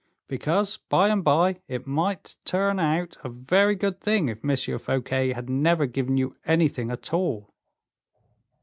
"Because, by and by, it might turn out a very good thing if M. Fouquet had never given you anything at all."